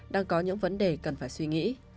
đang có những vấn đề cần phải suy nghĩ